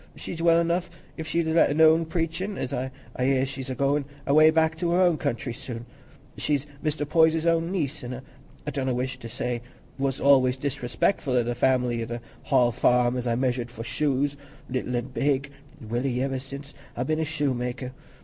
She's well enough if she'd let alone preachin'; an' I hear as she's a goin' away back to her own country soon. She's Mr. Poyser's own niece, an' I donna wish to say what's anyways disrespectful o' th' family at th' Hall Farm, as I've measured for shoes, little an' big, welly iver sin' I've been a shoemaker.